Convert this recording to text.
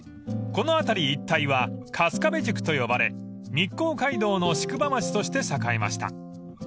［この辺り一帯は粕壁宿と呼ばれ日光街道の宿場町として栄えました］